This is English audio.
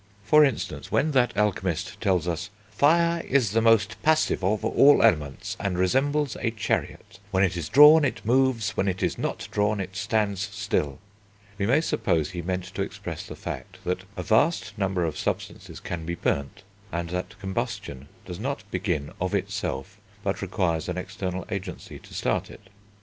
For instance, when that alchemist tells us, "Fire is the most passive of all elements, and resembles a chariot; when it is drawn, it moves; when it is not drawn, it stands still" we may suppose he meant to express the fact that a vast number of substances can be burnt, and that combustion does not begin of itself, but requires an external agency to start it.